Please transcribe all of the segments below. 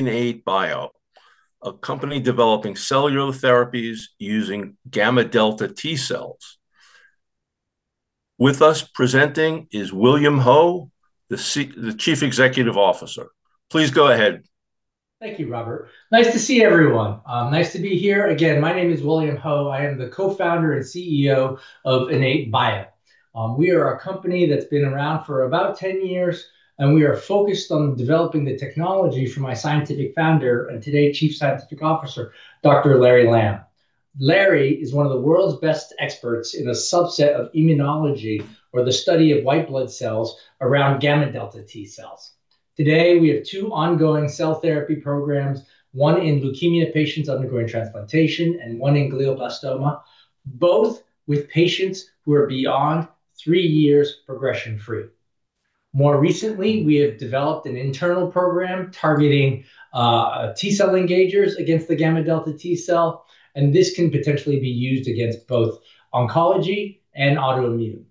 IN8bio, a company developing cellular therapies using gamma delta T cells. With us presenting is William Ho, the CEO, the chief executive officer. Please go ahead. Thank you, Robert. Nice to see everyone. Nice to be here. Again, my name is William Ho. I am the co-founder and CEO of IN8Bio. We are a company that's been around for about 10 years, and we are focused on developing the technology for my scientific founder and today Chief Scientific Officer, Dr. Larry Lamb. Larry is one of the world's best experts in a subset of immunology, or the study of white blood cells, around gamma delta T cells. Today, we have two ongoing cell therapy programs, one in leukemia patients undergoing transplantation and one in glioblastoma, both with patients who are beyond three years progression-free. More recently, we have developed an internal program targeting T cell engagers against the gamma delta T cell, and this can potentially be used against both oncology and autoimmune.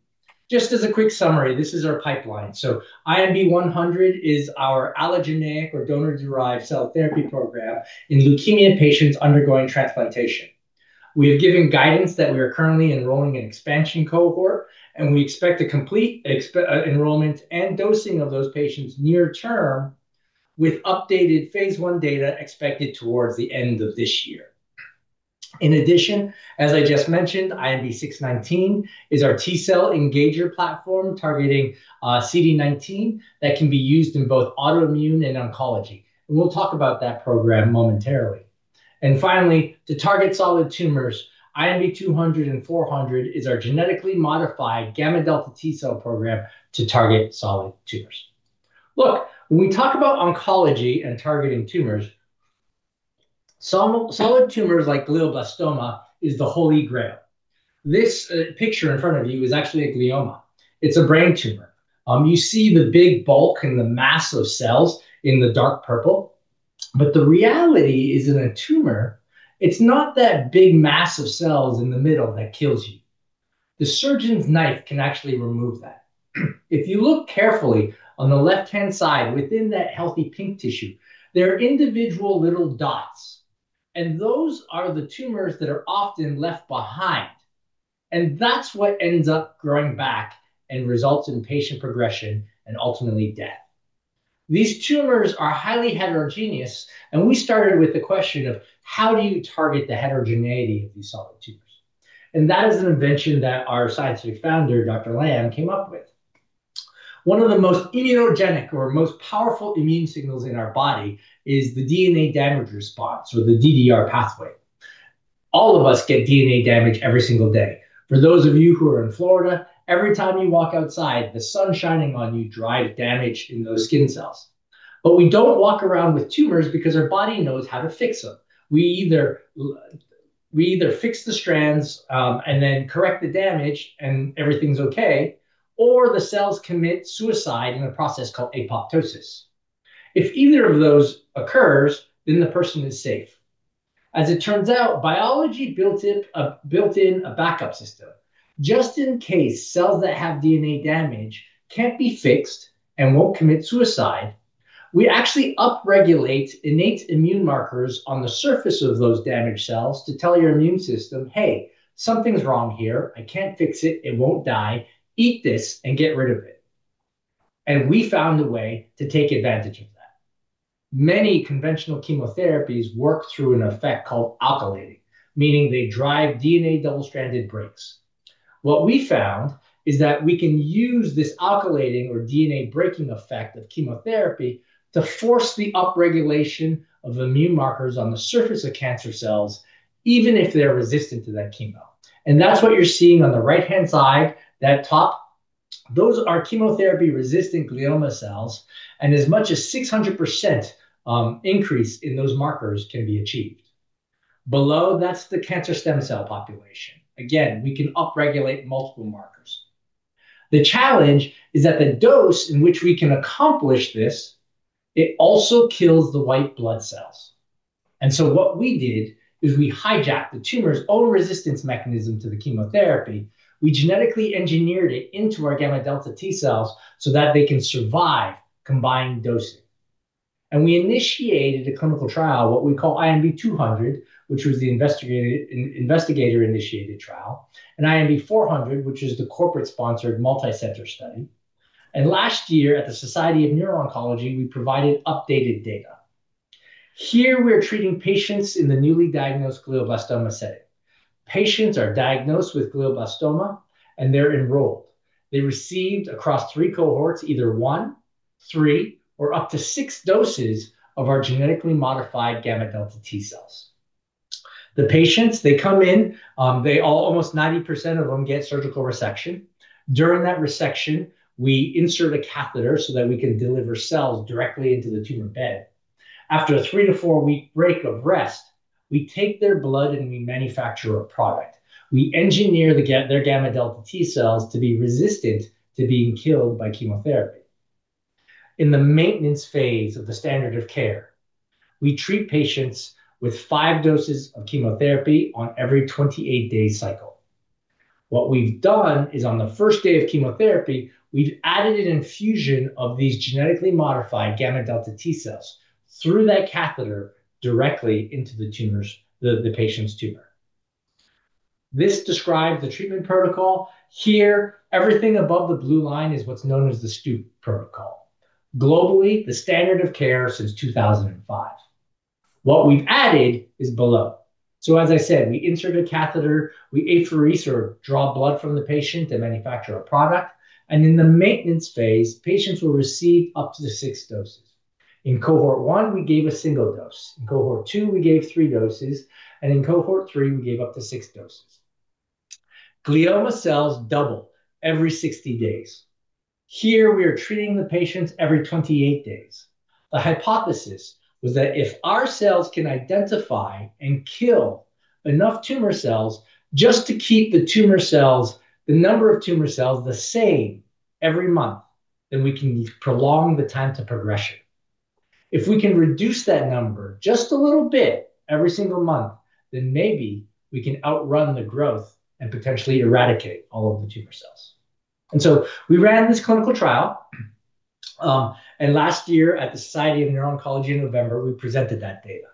Just as a quick summary, this is our pipeline. So INB-100 is our allogeneic or donor-derived cell therapy program in leukemia patients undergoing transplantation. We have given guidance that we are currently enrolling an expansion cohort, and we expect to complete enrollment and dosing of those patients near term, with updated phase I data expected towards the end of this year. In addition, as I just mentioned, INB-619 is our T cell engager platform targeting CD19 that can be used in both autoimmune and oncology, and we'll talk about that program momentarily. And finally, to target solid tumors, INB-200 and INB-400 is our genetically modified gamma-delta T cell program to target solid tumors. Look, when we talk about oncology and targeting tumors, some solid tumors, like glioblastoma, is the holy grail. This picture in front of you is actually a glioma. It's a brain tumor. You see the big bulk and the mass of cells in the dark purple, but the reality is, in a tumor, it's not that big mass of cells in the middle that kills you. The surgeon's knife can actually remove that. If you look carefully on the left-hand side, within that healthy pink tissue, there are individual little dots, and those are the tumors that are often left behind, and that's what ends up growing back and results in patient progression and ultimately death. These tumors are highly heterogeneous, and we started with the question of: how do you target the heterogeneity of these solid tumors? And that is an invention that our scientific founder, Dr. Lamb, came up with. One of the most immunogenic or most powerful immune signals in our body is the DNA damage response, or the DDR pathway. All of us get DNA damage every single day. For those of you who are in Florida, every time you walk outside, the sun shining on you drives damage in those skin cells. But we don't walk around with tumors because our body knows how to fix them. We either fix the strands, and then correct the damage, and everything's okay, or the cells commit suicide in a process called apoptosis. If either of those occurs, then the person is safe. As it turns out, biology built in a backup system just in case cells that have DNA damage can't be fixed and won't commit suicide. We actually upregulate innate immune markers on the surface of those damaged cells to tell your immune system, "Hey, something's wrong here. I can't fix it. It won't die. Eat this and get rid of it." And we found a way to take advantage of that. Many conventional chemotherapies work through an effect called alkylating, meaning they drive DNA double-stranded breaks. What we found is that we can use this alkylating or DNA-breaking effect of chemotherapy to force the upregulation of immune markers on the surface of cancer cells, even if they're resistant to that chemo. And that's what you're seeing on the right-hand side, that top. Those are chemotherapy-resistant glioma cells, and as much as 600% increase in those markers can be achieved. Below, that's the cancer stem cell population. Again, we can upregulate multiple markers. The challenge is that the dose in which we can accomplish this, it also kills the white blood cells. And so what we did is we hijacked the tumor's own resistance mechanism to the chemotherapy. We genetically engineered it into our gamma-delta T cells so that they can survive combined dosing. We initiated a clinical trial, what we call INB-200, which was the investigator-initiated trial, and INB-400, which is the corporate-sponsored multicenter study. Last year, at the Society of Neuro-Oncology, we provided updated data. Here, we are treating patients in the newly diagnosed glioblastoma setting. Patients are diagnosed with glioblastoma, and they're enrolled. They received, across three cohorts, either one, three, or up to six doses of our genetically modified gamma-delta T cells. The patients, they come in, almost 90% of them get surgical resection. During that resection, we insert a catheter so that we can deliver cells directly into the tumor bed. After a 3 to 4 week break of rest, we take their blood, and we manufacture a product. We engineer their gamma delta T cells to be resistant to being killed by chemotherapy. In the maintenance phase of the standard of care, we treat patients with five doses of chemotherapy on every 28-day cycle.... What we've done is on the first day of chemotherapy, we've added an infusion of these genetically modified gamma delta T cells through that catheter directly into the tumors, the patient's tumor. This describes the treatment protocol. Here, everything above the blue line is what's known as the Stupp protocol. Globally, the standard of care since 2005. What we've added is below. So as I said, we insert a catheter, we apheresis or draw blood from the patient to manufacture a product, and in the maintenance phase, patients will receive up to six doses. In cohort 1, we gave a single dose. In cohort 2, we gave three doses, and in cohort 3, we gave up to six doses. Glioma cells double every 60 days. Here, we are treating the patients every 28 days. The hypothesis was that if our cells can identify and kill enough tumor cells just to keep the tumor cells, the number of tumor cells the same every month, then we can prolong the time to progression. If we can reduce that number just a little bit every single month, then maybe we can outrun the growth and potentially eradicate all of the tumor cells. And so we ran this clinical trial, and last year at the Society of Neuro-Oncology in November, we presented that data.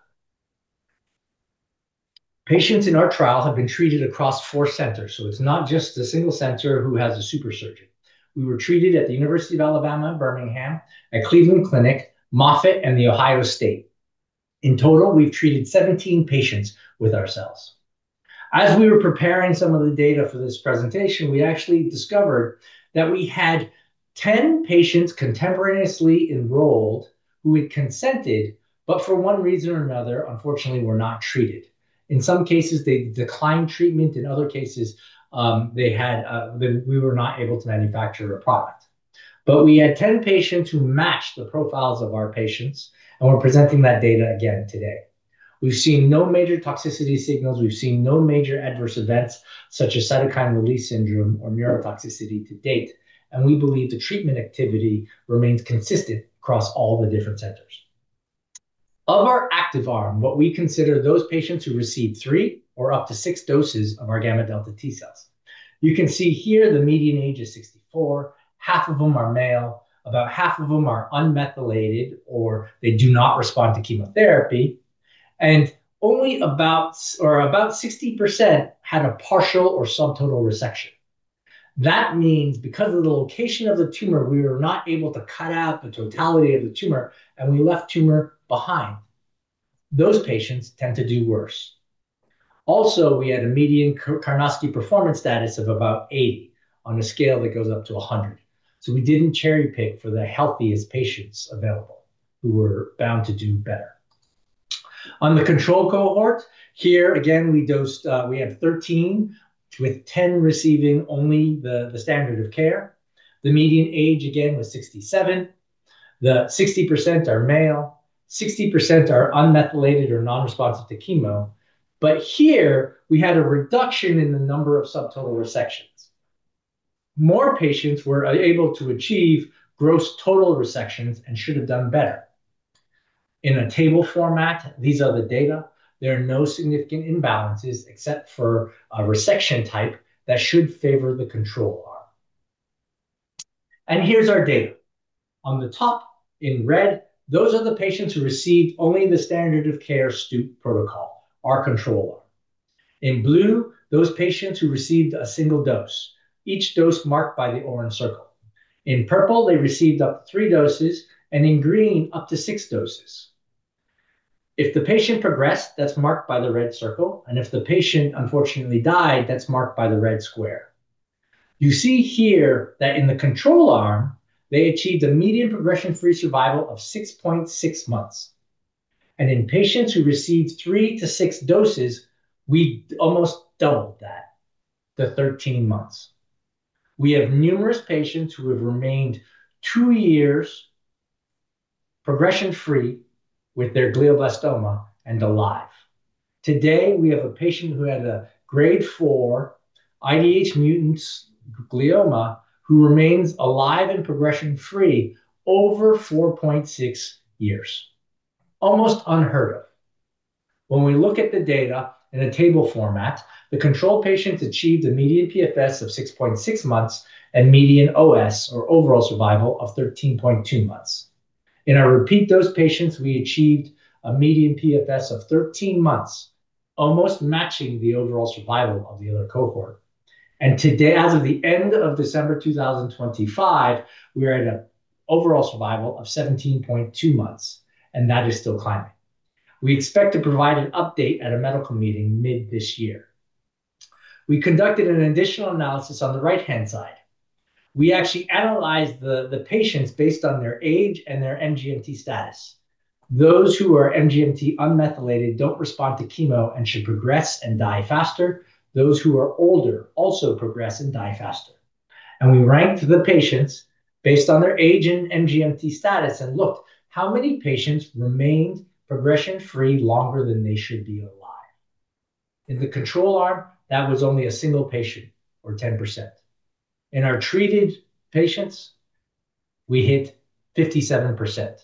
Patients in our trial have been treated across four centers, so it's not just a single center who has a super surgeon. We were treated at the University of Alabama at Birmingham, at Cleveland Clinic, Moffitt, and the Ohio State. In total, we've treated 17 patients with our cells. As we were preparing some of the data for this presentation, we actually discovered that we had 10 patients contemporaneously enrolled who had consented, but for one reason or another, unfortunately, were not treated. In some cases, they declined treatment, in other cases, we were not able to manufacture a product. But we had 10 patients who matched the profiles of our patients, and we're presenting that data again today. We've seen no major toxicity signals. We've seen no major adverse events, such as cytokine release syndrome or neurotoxicity to date, and we believe the treatment activity remains consistent across all the different centers. Of our active arm, what we consider those patients who received three or up to six doses of our gamma-delta T cells. You can see here the median age is 64, half of them are male, about half of them are unmethylated, or they do not respond to chemotherapy, and only about or about 60% had a partial or subtotal resection. That means because of the location of the tumor, we were not able to cut out the totality of the tumor, and we left tumor behind. Those patients tend to do worse. Also, we had a median Karnofsky Performance Status of about 80 on a scale that goes up to 100. So we didn't cherry-pick for the healthiest patients available, who were bound to do better. On the control cohort, here, again, we dosed, we had 13, with 10 receiving only the standard of care. The median age, again, was 67. The 60% are male, 60% are unmethylated or non-responsive to chemo. But here we had a reduction in the number of subtotal resections. More patients were able to achieve gross total resections and should have done better. In a table format, these are the data. There are no significant imbalances, except for a resection type that should favor the control arm. Here's our data. On the top, in red, those are the patients who received only the standard of care Stupp protocol, our control arm. In blue, those patients who received a single dose, each dose marked by the orange circle. In purple, they received up to 3 doses, and in green, up to 6 doses. If the patient progressed, that's marked by the red circle, and if the patient unfortunately died, that's marked by the red square. You see here that in the control arm, they achieved a median progression-free survival of 6.6 months, and in patients who received 3 to 6 doses, we almost doubled that to 13 months. We have numerous patients who have remained two years progression-free with their glioblastoma and alive. Today, we have a patient who had a grade 4 IDH mutant glioma, who remains alive and progression-free over 4.6 years. Almost unheard of. When we look at the data in a table format, the control patients achieved a median PFS of 6.6 months and median OS, or overall survival, of 13.2 months. In our repeat dose patients, we achieved a median PFS of 13 months, almost matching the overall survival of the other cohort. And today, as of the end of December 2025, we are at an overall survival of 17.2 months, and that is still climbing. We expect to provide an update at a medical meeting mid this year. We conducted an additional analysis on the right-hand side. We actually analyzed the patients based on their age and their MGMT status. Those who are MGMT unmethylated don't respond to chemo and should progress and die faster. Those who are older also progress and die faster. And we ranked the patients based on their age and MGMT status and looked how many patients remained progression-free longer than they should be alive. In the control arm, that was only a single patient, or 10%. In our treated patients, we hit 57%.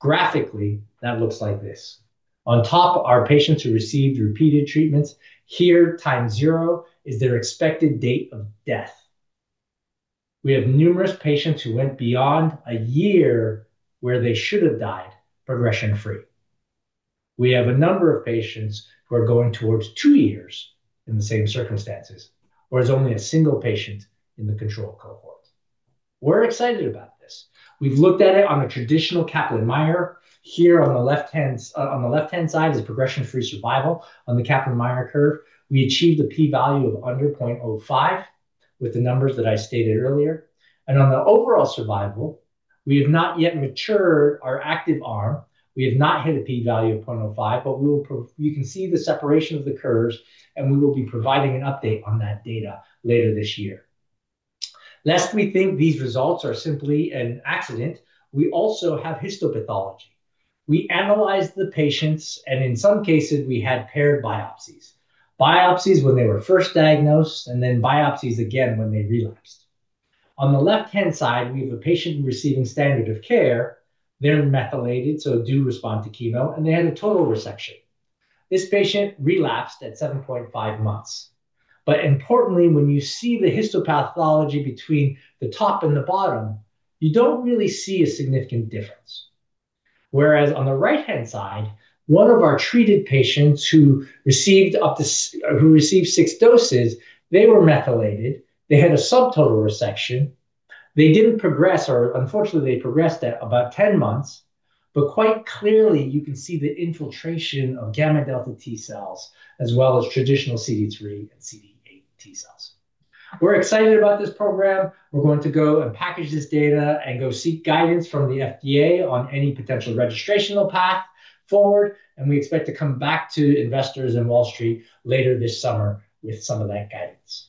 Graphically, that looks like this. On top are patients who received repeated treatments. Here, time zero is their expected date of death. We have numerous patients who went beyond a year where they should have died, progression-free. We have a number of patients who are going towards two years in the same circumstances, where there's only a single patient in the control cohort. We're excited about this. We've looked at it on a traditional Kaplan-Meier. Here on the left-hand side is progression-free survival. On the Kaplan-Meier curve, we achieved a p-value of under 0.05 with the numbers that I stated earlier. On the overall survival, we have not yet matured our active arm. We have not hit a p-value of 0.05, but you can see the separation of the curves, and we will be providing an update on that data later this year. Lest we think these results are simply an accident, we also have histopathology. We analyzed the patients, and in some cases, we had paired biopsies, biopsies when they were first diagnosed, and then biopsies again when they relapsed. On the left-hand side, we have a patient receiving standard of care. They're methylated, so do respond to chemo, and they had a total resection. This patient relapsed at 7.5 months. But importantly, when you see the histopathology between the top and the bottom, you don't really see a significant difference. Whereas on the right-hand side, one of our treated patients who received up to six doses, they were methylated, they had a subtotal resection. They didn't progress, or unfortunately, they progressed at about 10 months. But quite clearly, you can see the infiltration of gamma-delta T cells, as well as traditional CD3 and CD8 T cells. We're excited about this program. We're going to go and package this data and go seek guidance from the FDA on any potential registrational path forward, and we expect to come back to investors in Wall Street later this summer with some of that guidance.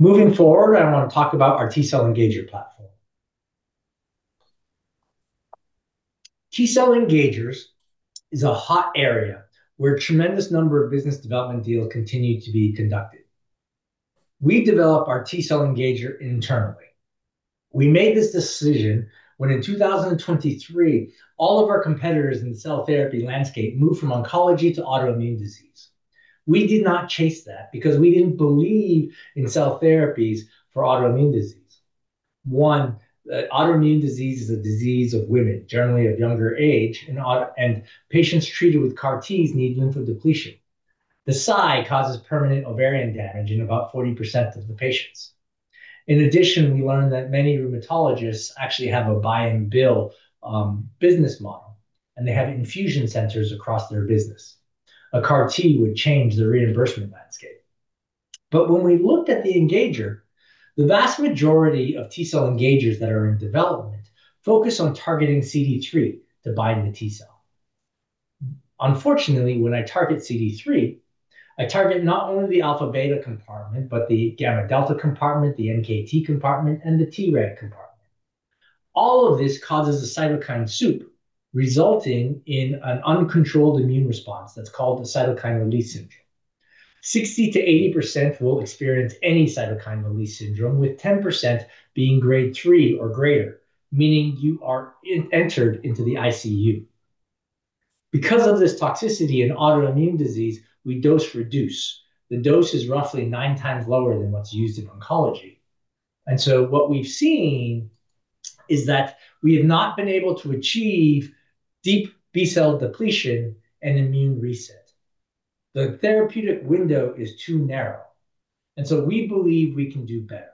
Moving forward, I want to talk about our T cell engager platform. T cell engagers is a hot area where a tremendous number of business development deals continue to be conducted. We developed our T cell engager internally. We made this decision when in 2023, all of our competitors in the cell therapy landscape moved from oncology to autoimmune disease. We did not chase that because we didn't believe in cell therapies for autoimmune disease. One, autoimmune disease is a disease of women, generally of younger age, and autoimmune patients treated with CAR-Ts need lymphodepletion. The Cy causes permanent ovarian damage in about 40% of the patients. In addition, we learned that many rheumatologists actually have a buy and bill business model, and they have infusion centers across their business. A CAR-T would change the reimbursement landscape. But when we looked at the engager, the vast majority of T cell engagers that are in development focus on targeting CD3 to bind the T cell. Unfortunately, when I target CD3, I target not only the alpha-beta compartment, but the gamma delta compartment, the NKT compartment, and the T reg compartment. All of this causes a cytokine soup, resulting in an uncontrolled immune response that's called the cytokine release syndrome. 60%-80% will experience any cytokine release syndrome, with 10% being grade three or greater, meaning you are entered into the ICU. Because of this toxicity in autoimmune disease, we dose reduce. The dose is roughly nine times lower than what's used in oncology. And so what we've seen is that we have not been able to achieve deep B-cell depletion and immune reset. The therapeutic window is too narrow, and so we believe we can do better.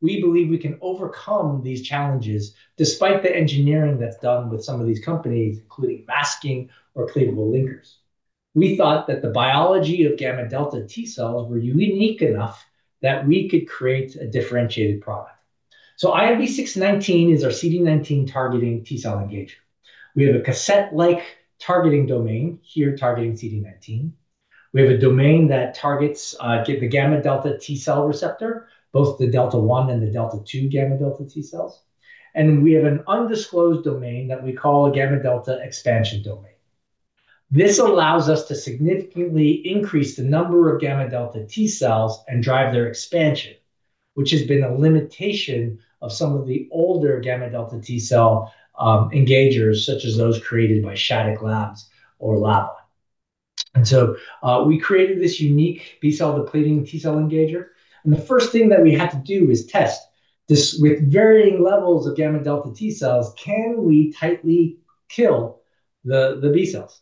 We believe we can overcome these challenges, despite the engineering that's done with some of these companies, including masking or cleavable linkers. We thought that the biology of gamma-delta T cells were unique enough that we could create a differentiated product. So INB-619 is our CD19 targeting T cell engager. We have a cassette-like targeting domain, here targeting CD19. We have a domain that targets the gamma-delta T cell receptor, both the delta one and the delta two gamma-delta T cells. And we have an undisclosed domain that we call a gamma-delta expansion domain. This allows us to significantly increase the number of gamma-delta T cells and drive their expansion, which has been a limitation of some of the older gamma-delta T cell engagers, such as those created by Shattuck Labs or Lava. And so, we created this unique B-cell depleting T cell engager, and the first thing that we had to do is test this with varying levels of gamma-delta T cells, can we tightly kill the B cells?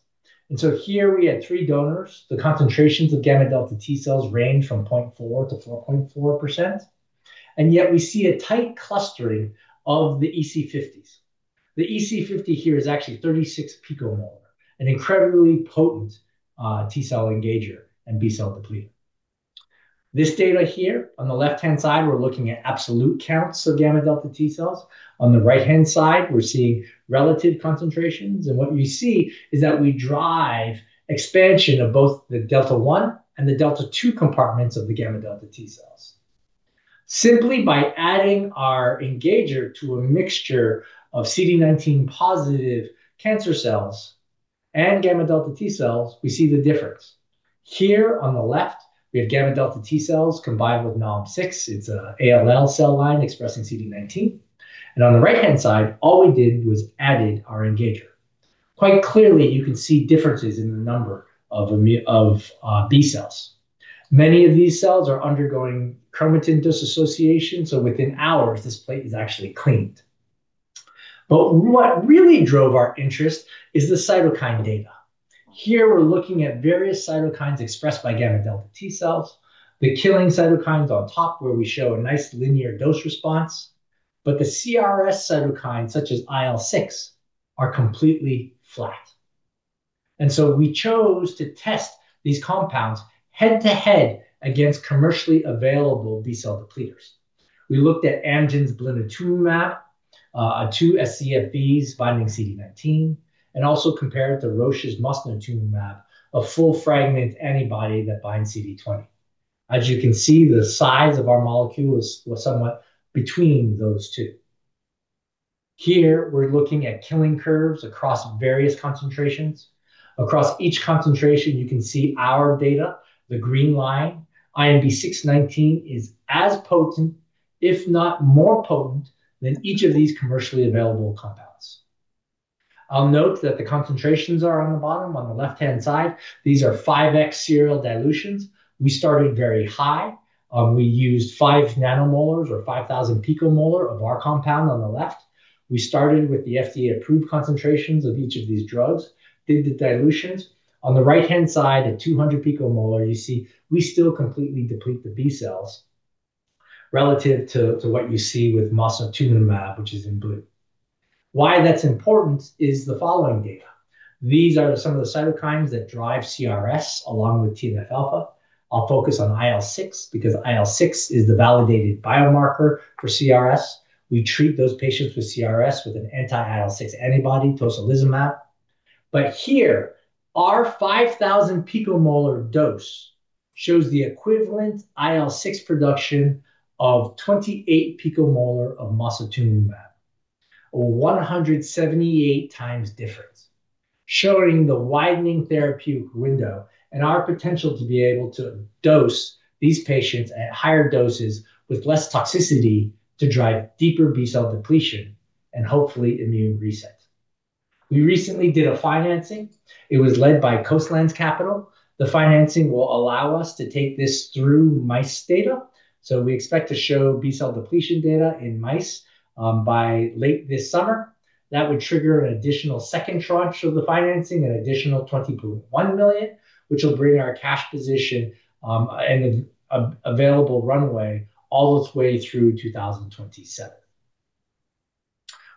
And so here we had three donors. The concentrations of gamma-delta T cells range from 0.4%-4.4%, and yet we see a tight clustering of the EC50s. The EC50 here is actually 36 picomolar, an incredibly potent T cell engager and B-cell depleter. This data here, on the left-hand side, we're looking at absolute counts of gamma-delta T cells. On the right-hand side, we're seeing relative concentrations, and what we see is that we drive expansion of both the delta 1 and the delta 2 compartments of the gamma-delta T cells. Simply by adding our engager to a mixture of CD19-positive cancer cells and gamma-delta T cells, we see the difference. Here on the left, we have gamma-delta T cells combined with Nalm-6. It's a ALL cell line expressing CD19. And on the right-hand side, all we did was added our engager. Quite clearly, you can see differences in the number of B-cells. Many of these cells are undergoing chromatin dissociation, so within hours, this plate is actually cleaned. But what really drove our interest is the cytokine data. Here, we're looking at various cytokines expressed by gamma-delta T cells. The killing cytokines on top, where we show a nice linear dose response, but the CRS cytokines, such as IL-6, are completely flat. And so we chose to test these compounds head-to-head against commercially available B-cell depleters. We looked at Amgen's blinatumomab, two scFvs binding CD19, and also compared to Roche's mosunitumab, a full fragment antibody that binds CD20. As you can see, the size of our molecule was, was somewhat between those two. Here, we're looking at killing curves across various concentrations. Across each concentration, you can see our data, the green line. INB-619 is as potent, if not more potent, than each of these commercially available compounds. I'll note that the concentrations are on the bottom, on the left-hand side. These are 5x serial dilutions. We started very high. We used 5 nanomolars or 5,000 picomolar of our compound on the left. We started with the FDA-approved concentrations of each of these drugs, did the dilutions. On the right-hand side, at 200 picomolar, you see we still completely deplete the B-cells relative to what you see with Mosunitumab, which is in blue. Why that's important is the following data. These are some of the cytokines that drive CRS, along with TNF-alpha. I'll focus on IL-6 because IL-6 is the validated biomarker for CRS. We treat those patients with CRS with an anti-IL-6 antibody, tocilizumab. But here, our 5,000 picomolar dose shows the equivalent IL-6 production of 28 picomolar of mosunitumab, a 178 times difference, showing the widening therapeutic window and our potential to be able to dose these patients at higher doses with less toxicity to drive deeper B-cell depletion and hopefully immune reset. We recently did a financing. It was led by Coastland Capital. The financing will allow us to take this through mice data, so we expect to show B-cell depletion data in mice by late this summer. That would trigger an additional second tranche of the financing, an additional $20.1 million, which will bring our cash position and available runway all the way through 2027.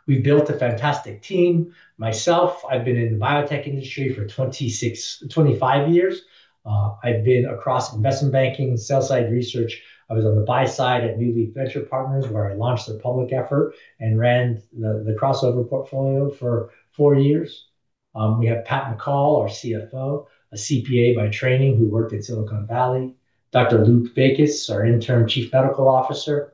We've built a fantastic team. Myself, I've been in the biotech industry for 25 years. I've been across investment banking, sell side research. I was on the buy side at New Leaf Venture Partners, where I launched their public effort and ran the crossover portfolio for 4 years. We have Pat McCall, our CFO, a CPA by training, who worked at Silicon Valley. Dr. Lou Vaickus, our Interim Chief Medical Officer.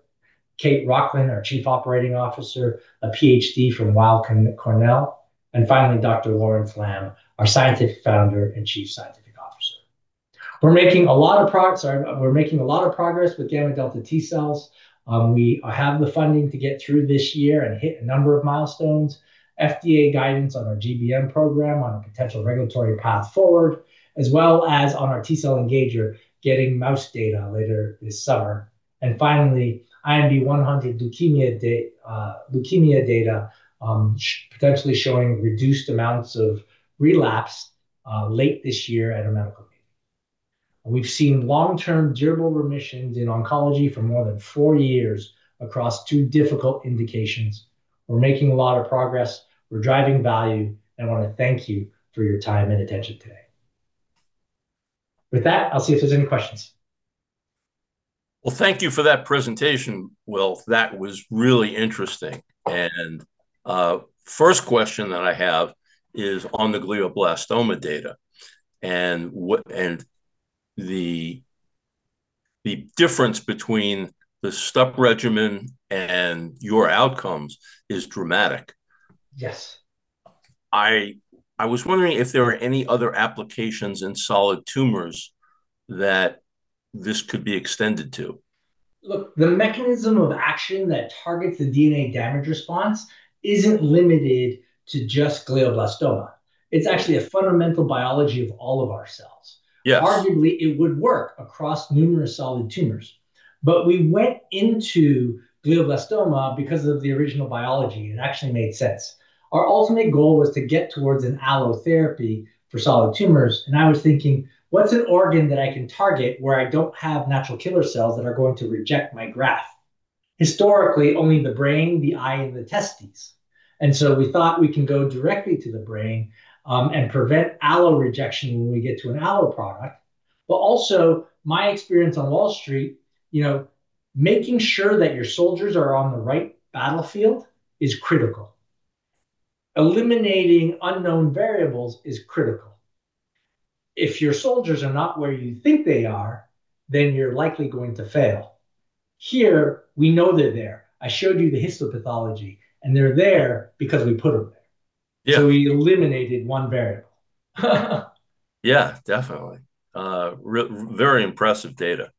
Kate Rochlin, our Chief Operating Officer, a Ph.D. from Weill Cornell. And finally, Dr. Lawrence Lamb, our scientific founder and chief scientific officer. We're making a lot of progress, or we're making a lot of progress with gamma-delta T cells. We have the funding to get through this year and hit a number of milestones, FDA guidance on our GBM program on a potential regulatory path forward, as well as on our T-cell engager, getting mouse data later this summer. And finally, INB-100 leukemia data, potentially showing reduced amounts of relapse, late this year at a medical meeting. We've seen long-term durable remissions in oncology for more than four years across two difficult indications. We're making a lot of progress. We're driving value, and I want to thank you for your time and attention today. With that, I'll see if there's any questions. Well, thank you for that presentation, Will. That was really interesting. First question that I have is on the glioblastoma data and the difference between the Stupp regimen and your outcomes is dramatic. Yes. I was wondering if there were any other applications in solid tumors that this could be extended to? Look, the mechanism of action that targets the DNA damage response isn't limited to just glioblastoma. It's actually a fundamental biology of all of our cells. Yes. Arguably, it would work across numerous solid tumors. But we went into glioblastoma because of the original biology. It actually made sense. Our ultimate goal was to get towards an allo therapy for solid tumors, and I was thinking, "What's an organ that I can target where I don't have natural killer cells that are going to reject my graft?" Historically, only the brain, the eye, and the testes. And so we thought we can go directly to the brain, and prevent allo rejection when we get to an allo product. But also, my experience on Wall Street, you know, making sure that your soldiers are on the right battlefield is critical. Eliminating unknown variables is critical. If your soldiers are not where you think they are, then you're likely going to fail. Here, we know they're there. I showed you the histopathology, and they're there because we put them there. Yeah. So we eliminated one variable. Yeah, definitely. Very impressive data.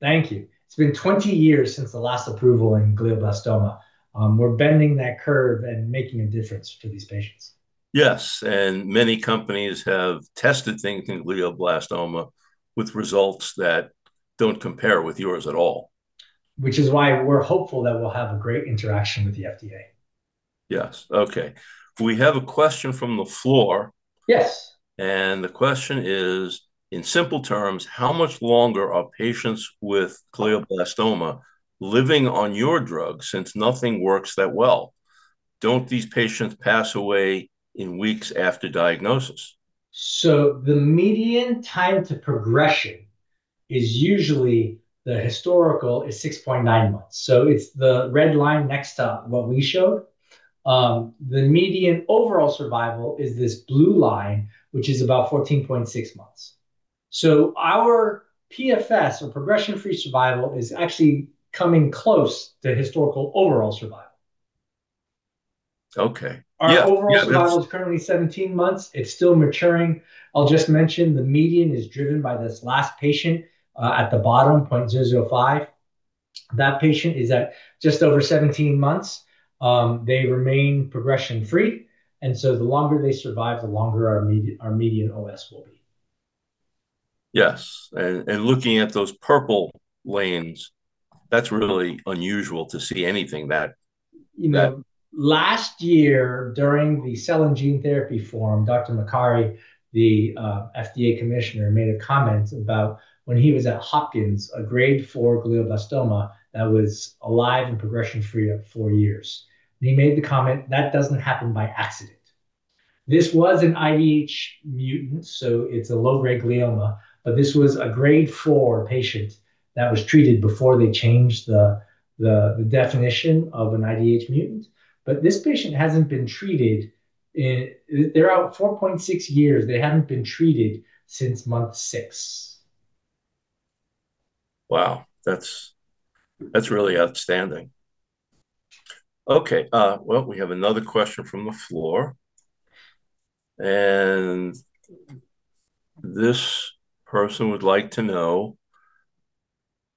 Thank you. It's been 20 years since the last approval in glioblastoma. We're bending that curve and making a difference for these patients. Yes, and many companies have tested things in glioblastoma with results that don't compare with yours at all. Which is why we're hopeful that we'll have a great interaction with the FDA. Yes. Okay. We have a question from the floor. Yes. The question is, in simple terms, how much longer are patients with glioblastoma living on your drug, since nothing works that well? Don't these patients pass away in weeks after diagnosis? So the median time to progression is usually, the historical is 6.9 months. So it's the red line next to what we showed. The median overall survival is this blue line, which is about 14.6 months. So our PFS, or progression-free survival, is actually coming close to historical overall survival. Okay. Yeah, yeah- Our overall survival is currently 17 months. It's still maturing. I'll just mention the median is driven by this last patient, at the bottom, 0.05. That patient is at just over 17 months. They remain progression-free, and so the longer they survive, the longer our median OS will be. Yes, and looking at those purple lanes, that's really unusual to see anything that- You know, last year, during the Cell and Gene Therapy Forum, Dr. Marty Makary, the FDA commissioner, made a comment about when he was at Hopkins, a Grade 4 glioblastoma that was alive and progression-free at four years. And he made the] comment, "That doesn't happen by accident." This was an IDH mutant, so it's a low-grade glioma, but this was a Grade 4 patient that was treated before they changed the definition of an IDH mutant. But this patient hasn't been treated in-they’re out 4.6 years. They haven't been treated since month six. Wow, that's, that's really outstanding. Okay, well, we have another question from the floor, and this person would like to know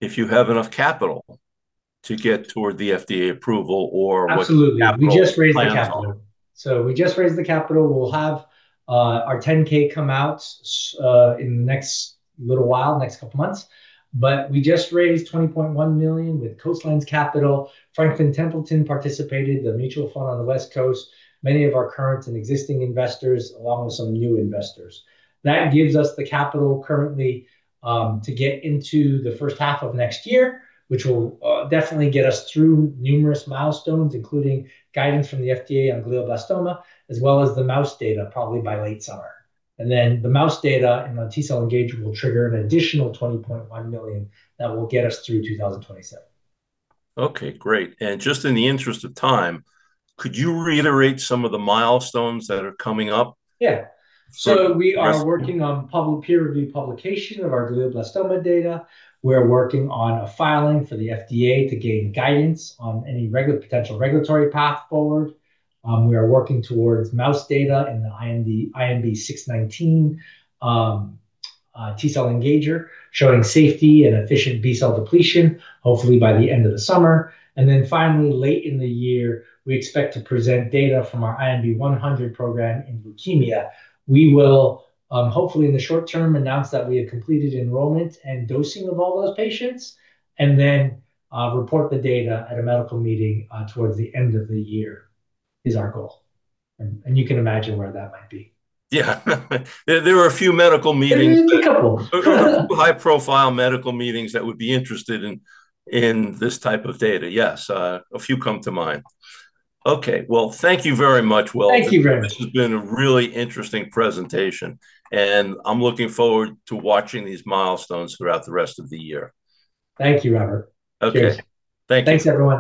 if you have enough capital to get toward the FDA approval or what- Absolutely -capital plans are. We just raised the capital. So we just raised the capital. We'll have our 10-K come out in the next little while, next couple months, but we just raised $20.1 million with Coastlands Capital. Franklin Templeton participated, the mutual fund on the West Coast, many of our current and existing investors, along with some new investors. That gives us the capital currently to get into the first half of next year, which will definitely get us through numerous milestones, including guidance from the FDA on glioblastoma, as well as the mouse data, probably by late summer. And then the mouse data on T-cell engagement will trigger an additional $20.1 million that will get us through 2027. Okay, great. And just in the interest of time, could you reiterate some of the milestones that are coming up? Yeah. So we are working on public peer review publication of our glioblastoma data. We are working on a filing for the FDA to gain guidance on any potential regulatory path forward. We are working towards mouse data in the IND, INB-619, T-cell engager, showing safety and efficient B-cell depletion, hopefully by the end of the summer. And then finally, late in the year, we expect to present data from our INB-100 program in leukemia. We will, hopefully in the short term, announce that we have completed enrollment and dosing of all those patients, and then, report the data at a medical meeting, towards the end of the year, is our goal, and you can imagine where that might be. Yeah. There are a few medical meetings- There may be a couple. High-profile medical meetings that would be interested in, in this type of data. Yes, a few come to mind. Okay. Well, thank you very much, Will. Thank you very much. This has been a really interesting presentation, and I'm looking forward to watching these milestones throughout the rest of the year. Thank you, Robert. Okay. Cheers. Thank you. Thanks, everyone.